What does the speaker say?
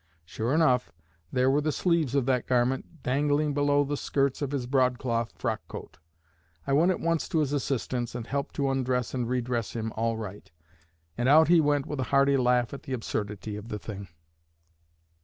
Sure enough, there were the sleeves of that garment dangling below the skirts of his broadcloth frock coat! I went at once to his assistance, and helped to undress and re dress him all right, and out he went with a hearty laugh at the absurdity of the thing."